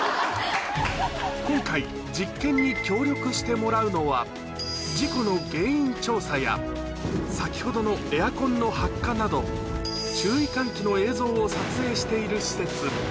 今回、実験に協力してもらうのは、事故の原因調査や、先ほどのエアコンの発火など、注意喚起の映像を撮影している施設。